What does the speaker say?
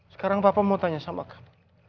sekarang bapak mau tanya sama kamu